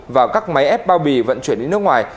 vào các máy ép bao bì vận chuyển đi nước ngoài